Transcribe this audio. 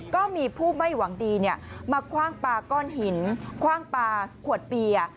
ก็มีผู้ไม่หวังดีมาคว่างปลาก้อนหินคว่างปลาขวดเบียร์